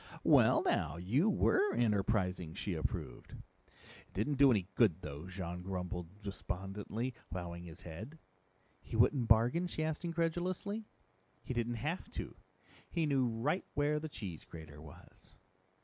"Well, now. You were enterprising!" she approved. "It didn't do any good though," Jean grumbled despondently, bowing his head. "He wouldn't bargain?" she asked incredulously. "He didn't have to. He knew right where the cheese grater was."